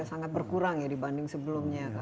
sangat berkurang dibanding sebelumnya